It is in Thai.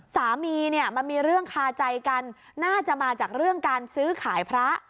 สามีเนี่ยมันมีเรื่องคาใจกันน่าจะมาจากเรื่องการซื้อขายพระ